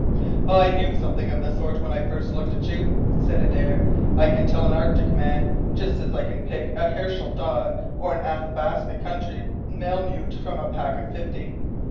"I knew something of the sort when I first looked at you," said Adare. "I can tell an Arctic man, just as I can pick a Herschel dog or an Athabasca country malemute from a pack of fifty.